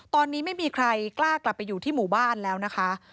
ตอนนี้ไม่มีใครกล้ากลับไปอยู่ที่หมู่บ้านแล้วนะคะ